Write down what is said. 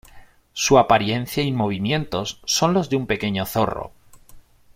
Su apariencia y movimientos son los de un pequeño zorro.